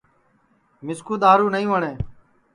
مِسکُو دؔارُو نائی وٹؔے